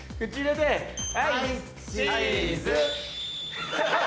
はいチーズ。